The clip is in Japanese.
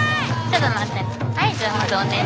ちょっと待ってね。